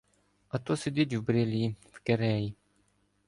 А то сидить в брилі, в кереї